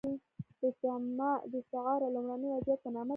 دا استعاره د لومړني وضعیت په نامه ده.